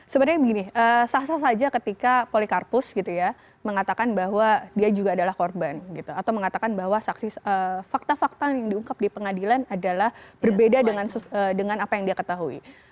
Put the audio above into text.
sebenarnya begini sah sah saja ketika polikarpus gitu ya mengatakan bahwa dia juga adalah korban gitu atau mengatakan bahwa fakta fakta yang diungkap di pengadilan adalah berbeda dengan apa yang dia ketahui